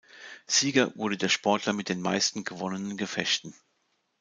Sieger wurde der Sportler mit den meisten gewonnenen Gefechten.